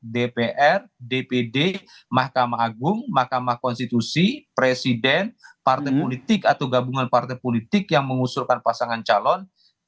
dpr dpd mahkamah agung mahkamah konstitusi presiden partai politik atau gabungan partai politik yang mengusulkan pasangan calon